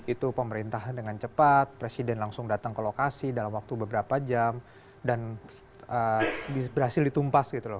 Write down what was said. itu pemerintah dengan cepat presiden langsung datang ke lokasi dalam waktu beberapa jam dan berhasil ditumpas gitu loh